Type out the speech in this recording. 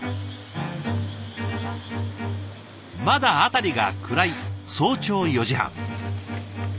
まだ辺りが暗い早朝４時半。